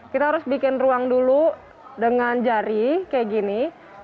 kita harus bikin ruang dulu dengan jari kayak gini